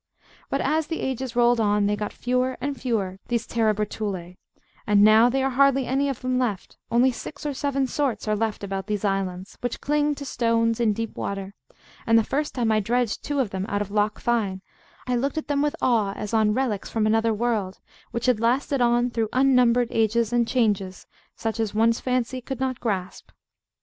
But as the ages rolled on, they got fewer and fewer, these Terebratulae; and now there are hardly any of them left; only six or seven sorts are left about these islands, which cling to stones in deep water; and the first time I dredged two of them out of Loch Fyne, I looked at them with awe, as on relics from another world, which had lasted on through unnumbered ages and changes, such as one's fancy could not grasp.